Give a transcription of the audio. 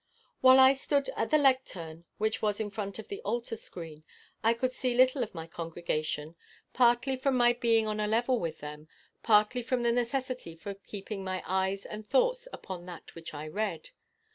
While I stood at the lectern, which was in front of the altar screen, I could see little of my congregation, partly from my being on a level with them, partly from the necessity for keeping my eyes and thoughts upon that which I read.